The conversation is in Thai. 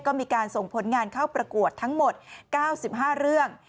ก็มีการส่งผลงานเข้าประกวดทั้งหมด๙๕เรื่อง